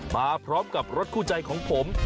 มาพร้อมกับรถคู่ใจของผม